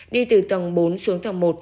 đi từ tầng bốn xuống tầng một